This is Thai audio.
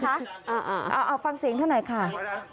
คุณฟังเสียงข้างในค่ะ